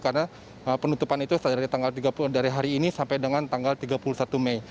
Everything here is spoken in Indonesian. karena penutupan itu dari hari ini sampai dengan tanggal tiga puluh satu mei